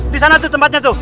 disana tuh tempatnya tuh